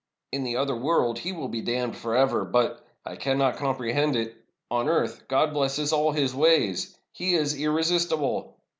In the other world he will be damned forever, but — I cannot comprehend it — on earth God blesses all his ways. He is irresistible!